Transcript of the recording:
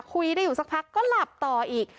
คุยได้อยู่สักพักก็หลับต่ออีก